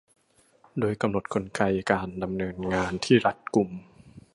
โดยกำหนดกลไกการดำเนินงานที่รัดกุม